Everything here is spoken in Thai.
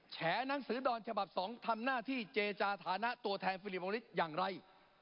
แฉหนังสือดอนฉบับ๒ทำหน้าที่เจจาฐานะตัวแทนฟิลิปโอลิสอย่างไร